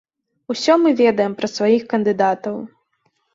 Усё мы ведаем пра сваіх кандыдатаў.